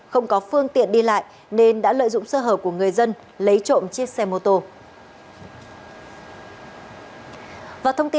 không có phương tiện đi lại nên đã lợi dụng sơ hở của người dân lấy trộm chiếc xe mô tô